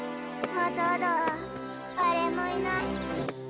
まただぁ誰もいない。